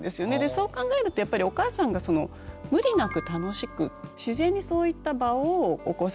そう考えるとやっぱりお母さんがその無理なく楽しく自然にそういった場をお子さんに提供できたっていう。